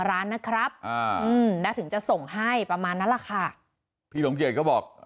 ร้านนะครับอ่าอืมนะถึงจะส่งให้ประมาณนั้นแหละค่ะพี่สมเกียจก็บอก